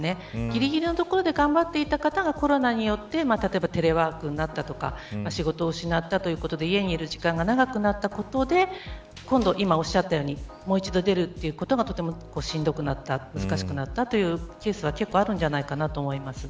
ぎりぎりのところで頑張っていた方がコロナによってテレワークになったりとか仕事を失ったということで家にいる時間が長くなったことで今度は、今おっしゃったようにもう一度出るのが難しくなったというケースは結構あるんじゃないかと思います。